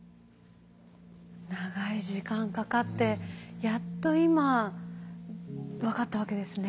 長い時間かかってやっと今分かったわけですね。